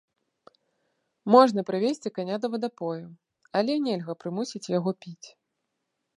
Можна прывесці каня да вадапою, але нельга прымусіць яго піць.